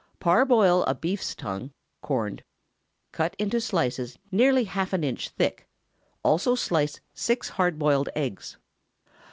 Parboil a beef's tongue (corned), cut into slices nearly half an inch thick; also slice six hard boiled eggs.